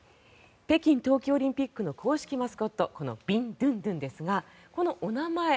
北京冬季オリンピックの公式マスコットビンドゥンドゥンですがこのお名前